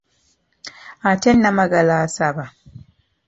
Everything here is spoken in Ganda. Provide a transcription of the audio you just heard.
Ate Namagala asaba.